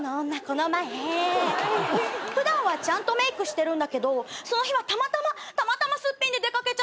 この前普段はちゃんとメークしてるんだけどその日はたまたまたまたますっぴんで出掛けちゃって。